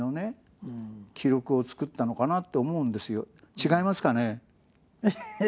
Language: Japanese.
違いますかね？